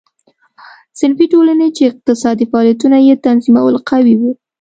صنفي ټولنې چې اقتصادي فعالیتونه یې تنظیمول قوي وې.